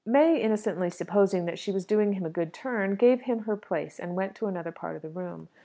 May, innocently supposing that she was doing him a good turn, gave him her place, and went to another part of the room.